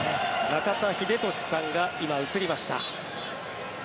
中田英寿さんが今、映りました。